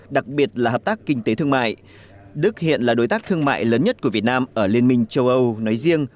đặc biệt là hợp tác kinh tế thương mại đức hiện là đối tác thương mại lớn nhất của việt nam ở liên minh châu âu nói riêng